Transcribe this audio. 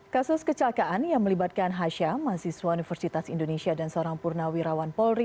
kasus kecelakaan yang melibatkan hasha mahasiswa universitas indonesia dan seorang purnawirawan polri